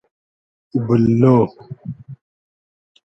بوللۉ